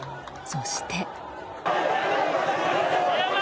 そして。